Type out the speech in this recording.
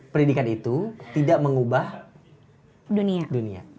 pendidikan itu tidak mengubah dunia